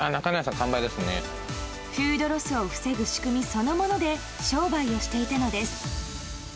フードロスを防ぐ仕組みそのもので商売をしていたのです。